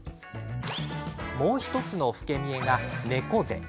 もう１つの老け見えが、猫背。